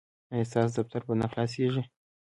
ایا ستاسو دفتر به نه خلاصیږي؟